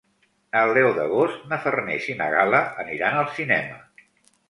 El deu d'agost na Farners i na Gal·la aniran al cinema.